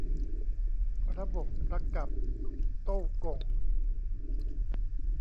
ระบบประกับโต้วก่ง